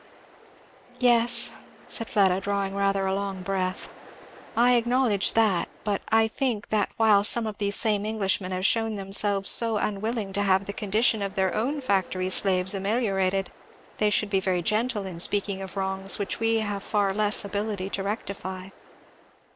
"Yes," said Fleda, drawing rather a long breath, "I acknowledge that; but I think that while some of these same Englishmen have shewn themselves so unwilling to have the condition of their own factory slaves ameliorated, they should be very gentle in speaking of wrongs which we have far less ability to rectify."